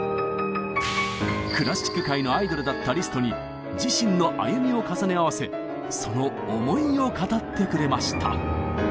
クラシック界のアイドルだったリストに自身の歩みを重ね合わせその思いを語ってくれました。